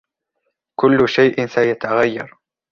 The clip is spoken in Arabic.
كل شيئ سيتغير.